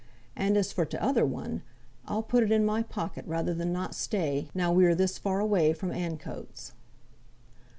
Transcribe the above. And as for t'other one, I'll put it in my pocket rather than not stay, now we are this far away from Ancoats."